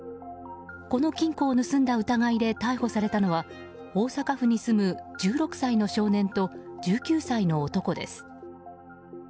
この金庫を盗んだ疑いで逮捕されたのは大阪府に住む１６歳の少年と１９歳の男です。